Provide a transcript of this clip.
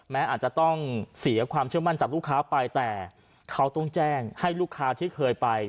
อาจจะต้องเสียความเชื่อมั่นจากลูกค้าไปแต่เขาต้องแจ้งให้ลูกค้าที่เคยไป